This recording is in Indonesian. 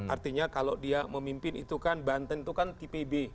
artinya kalau dia memimpin itu kan banten itu kan tipe b